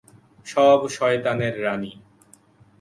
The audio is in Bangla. সব শয়তানের রাণী।